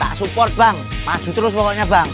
kita support bang maju terus pokoknya bang